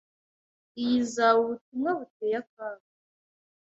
Iyi izaba ubutumwa buteye akaga.